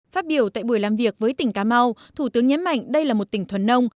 phát biểu tại buổi làm việc với tỉnh cà mau thủ tướng nhấn mạnh đây là một tỉnh thuần nông